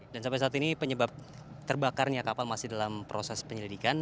dan sampai saat ini penyebab terbakarnya kapal masih dalam proses penyelidikan